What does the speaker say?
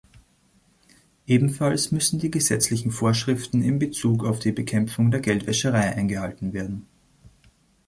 Ebenfalls müssen die gesetzlichen Vorschriften in Bezug auf die Bekämpfung der Geldwäscherei eingehalten werden.